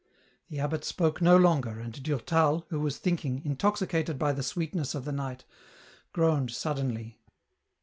The abbot spoke no longer, and Durtal, who was thinking, intoxicated by the sweetness of the night, groaned suddenly.